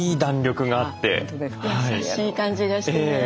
優しい感じがして。